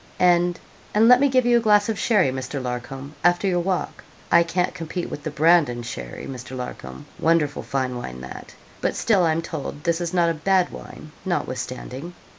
'And and let me give you a glass of sherry, Mr. Larcom, after your walk. I can't compete with the Brandon sherry, Mr. Larcom. Wonderful fine wine that! but still I'm told this is not a bad wine notwithstanding.'